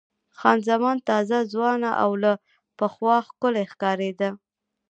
خان زمان تازه، ځوانه او له پخوا ښکلې ښکارېده.